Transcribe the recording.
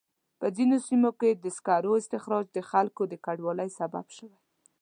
په ځینو سیمو کې د سکرو استخراج د خلکو د کډوالۍ سبب شوی.